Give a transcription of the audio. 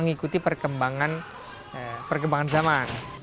jadi secara substansinya sama tetapi aksesornya sama